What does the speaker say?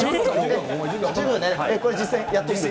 これ、実際にやってみて。